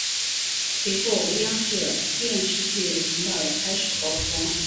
随后央视电视剧频道也开始播出。